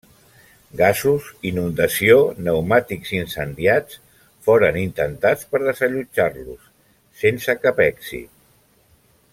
Gasos, inundació, pneumàtics incendiats, foren intentats per desallotjar-los, sense cap èxit.